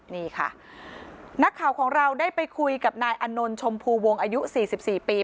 นี่ค่ะนักข่าวของเราได้ไปคุยกับนายอนนท์ชมพูวงอายุ๔๔ปี